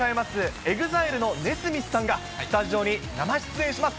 ＥＸＩＬＥのＮＥＳＭＩＴＨさんがスタジオに生出演します。